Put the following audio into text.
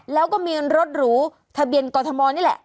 แล้วก็มีรถหรูทะเบียนกอทมนี่แหละ